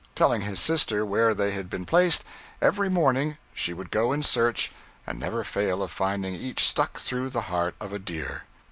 Telling his sister where they had been placed, every morning she would go in search, and never fail of finding each stuck through the heart of a deer.